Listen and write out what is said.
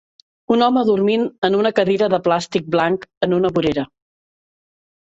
Un home dormint en una cadira de plàstic blanc en una vorera